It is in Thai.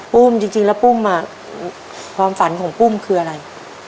จริงแล้วปุ้มความฝันของปุ้มคืออะไร